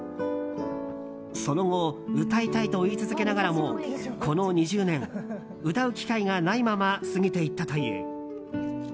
その後、歌いたいと言い続けながらもこの２０年、歌う機会がないまま過ぎていったという。